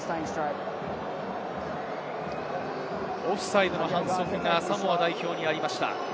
オフサイドの反則がサモア代表にありました。